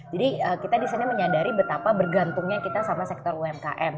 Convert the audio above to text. jadi kita disini menyadari betapa bergantungnya kita sama sektor umkm